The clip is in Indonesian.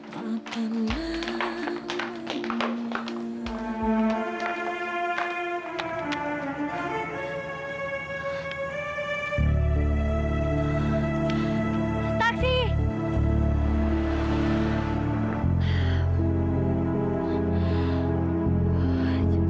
tapi tinggal saja